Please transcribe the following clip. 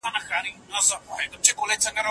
څېړونکي د څېړنې میتودونه ستایي.